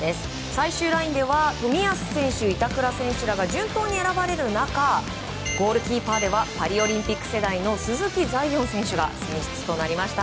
最終ラインでは冨安選手板倉選手らが順当に選ばれる中ゴールキーパーではパリオリンピック世代の鈴木彩艶選手が選出となりました。